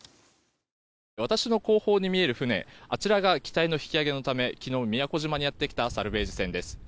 私の後方に見える船あちらが機体の引き揚げのため昨日、宮古島にやってきたサルベージ船です。